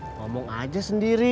ngomong aja sendiri